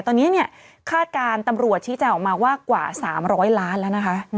ตอนนี้เนี่ยคาดการณ์ตำรวจชี้แจงออกมาว่ากว่า๓๐๐ล้านแล้วนะคะ